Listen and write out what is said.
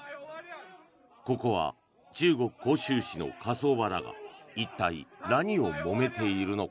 ここは中国・杭州市の火葬場だが一体、何をもめているのか。